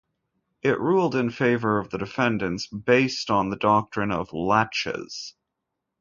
It ruled in favor of the defendants, based on the doctrine of "laches".